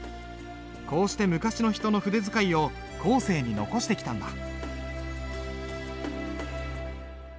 こうして昔の人の筆使いを後世に残してきたんだ。